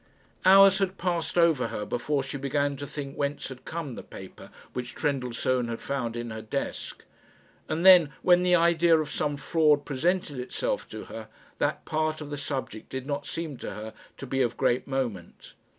Hours had passed over her before she began to think whence had come the paper which Trendellsohn had found in her desk; and then, when the idea of some fraud presented itself to her, that part of the subject did not seem to her to be of great moment.